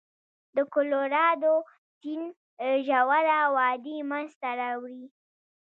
د کلورادو سیند ژوره وادي منځته راوړي.